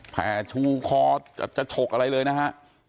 แผลชูคอจะฉกอะไรเลยนะฮะ